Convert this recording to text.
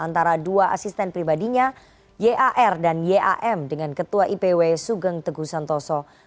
antara dua asisten pribadinya yar dan yam dengan ketua ipw sugeng teguh santoso